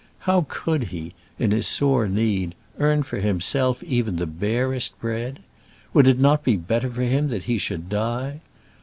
How could he, in his sore need, earn for himself even the barest bread? Would it not be better for him that he should die?